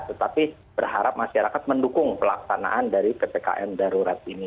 tetapi berharap masyarakat mendukung pelaksanaan dari ppkm darurat ini